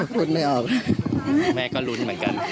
คุณแม่ก็รุ้นเหมือนกัน